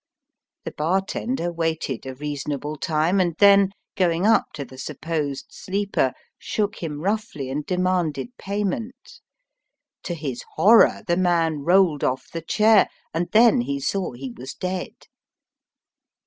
The bartender waited a reasonable time, and then, going up to the supposed sleeper, shook him roughly and demanded payment. To his horror the man rolled off the chair, and then he saw he was dead.